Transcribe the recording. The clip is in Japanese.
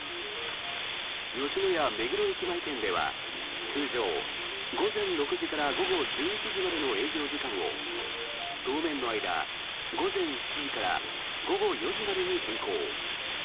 吉野家目黒駅前店では通常、午前６時から午後１１時までの営業時間を当面の間、午前７時から午後４時までに変更。